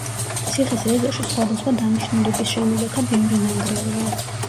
ციხის ეზოში სხვადასხვა დანიშნულების შენობათა ბევრი ნანგრევია.